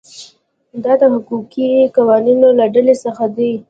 دا د حقوقي قوانینو له ډلې څخه دي.